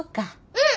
うん！